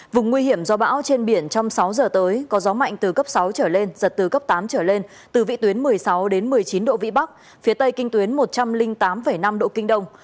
vùng nguy hiểm do bão trên biển trong sáu giờ tới có gió mạnh từ cấp sáu trở lên giật từ cấp tám trở lên từ vị tuyến một mươi sáu một mươi chín độ vĩ bắc phía tây kinh tuyến một trăm linh tám năm độ kinh đông